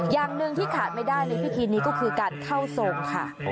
อย่างหนึ่งที่ขาดไม่ได้ในพิธีนี้ก็คือการเข้าทรงค่ะ